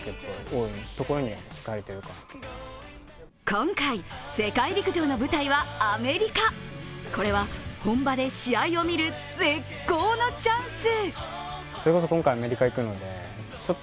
今回、世界陸上の舞台はアメリカこれは本場で試合を見る絶好のチャンス。